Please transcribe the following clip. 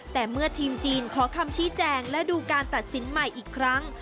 แต่เมื่อทีมจีนขอคำชี้แจงและดูการตัดสินใหม่อีกครั้ง